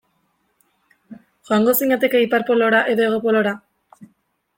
Joango zinateke Ipar Polora edo Hego Polora?